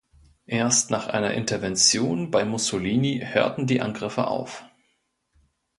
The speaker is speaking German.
Erst nach einer Intervention bei Mussolini hörten die Angriffe auf.